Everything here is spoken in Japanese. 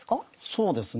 そうですね